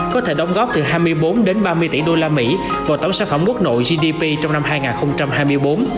có thể đóng góp từ hai mươi bốn đến ba mươi tỷ đô la mỹ vào tổng sản phẩm quốc nội gdp trong năm hai nghìn hai mươi bốn